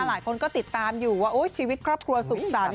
หลายคนก็ติดตามอยู่ว่าชีวิตครอบครัวสุขสรรค